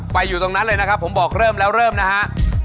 อยู่ตรงนั้นเลยนะครับผมบอกเริ่มแล้วเริ่มนะฮะ